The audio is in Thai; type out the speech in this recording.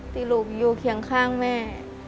ที่ลูกอยู่เคียงข้างแม่